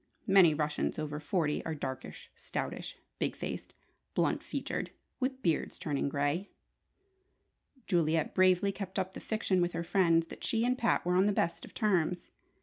Many Russians over forty are "darkish, stoutish, big faced, blunt featured, with beards turning grey!" Juliet bravely kept up the fiction with her friends that she and Pat were on the best of terms.